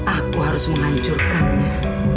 aku harus menghancurkannya